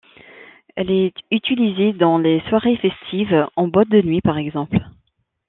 Elle est utilisée dans les soirées festives, en boîte de nuit par exemple.